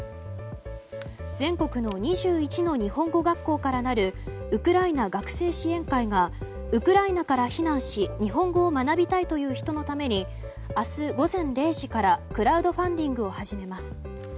全国の２１の日本語学校からなるウクライナ学生支援会がウクライナから避難し日本語を学びたいという人のために明日午前０時からクラウドファンディングを始めます。